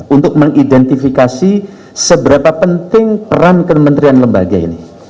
untuk mengidentifikasi seberapa penting peran kementerian lembaga ini